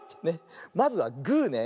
まずはグーね。